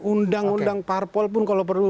undang undang parpol pun kalau perlu